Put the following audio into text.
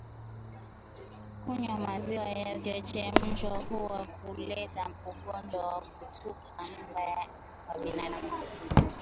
Kunywa maziwa yasiyochemshwa huweza kuleta ugonjwa wa kutupa mimba kwa binadamu